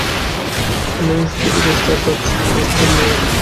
আমরা নিশ্চিত করছি কেসটা আর তার ছেলে যেনো একদম নিরাপদ থাকে।